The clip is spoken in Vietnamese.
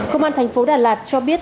công an tp đà lạt cho biết